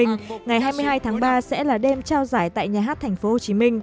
ngày hai mươi hai tháng ba sẽ là đêm trao giải tại nhà hát tp hcm